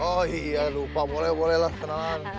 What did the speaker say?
oh iya lupa boleh boleh lah kenalan